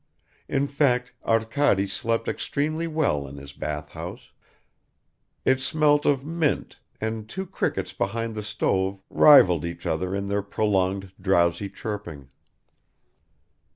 In fact Arkady slept extremely well in his bathhouse; it smelt of mint, and two crickets behind the stove rivaled each other in their prolonged drowsy chirping.